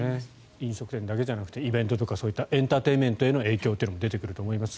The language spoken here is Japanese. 飲食店だけじゃなくてそういったイベントとかエンターテインメントへの影響というのも出てくると思います。